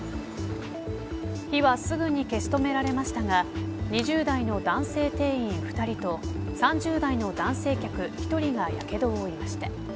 火はすぐに消し止められましたが２０代の男性店員２人と３０代の男性客１人がやけどを負いました。